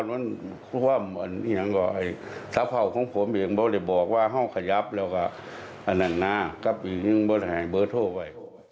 อ๋อนี่นะอันนี้เหตุผลเขานะฮะ